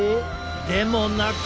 でもなく。